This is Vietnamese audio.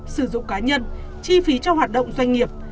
sử dụng cá nhân chi phí cho hoạt động doanh nghiệp